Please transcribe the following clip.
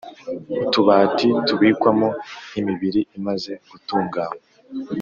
Utubati tubikwamo imibiri imaze gutunganywa